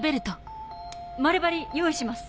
丸針用意します。